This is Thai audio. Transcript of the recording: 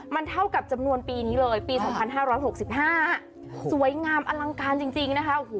มันเท่ากับจำนวนปีนี้เลยปี๒๕๖๕สวยงามอลังการจริงนะคะ